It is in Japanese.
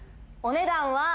お値段は。